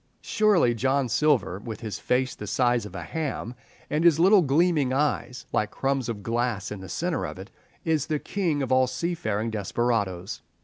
Surely John Silver, with his face the size of a ham, and his little gleaming eyes like crumbs of glass in the centre of it, is the king of all seafaring desperadoes.